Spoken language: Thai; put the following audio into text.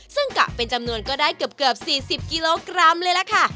ซึ่งกะเป็นจำนวนก็ได้เกือบ๔๐กิโลกรัมเลยล่ะค่ะ